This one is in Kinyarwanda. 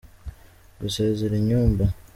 Gusezera Inyumba